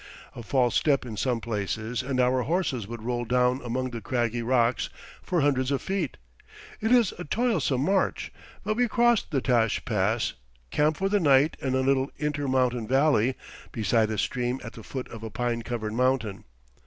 A false step in some places, and our horses would roll down among the craggy rocks for hundreds of feet. It is a toilsome march, but we cross the Tash Pass, camp for the night in a little inter mountain valley, beside a stream at the foot of a pine covered mountain.